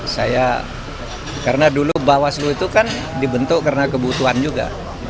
saya karena dulu bawaslu itu kan dibentuk karena kebutuhan juga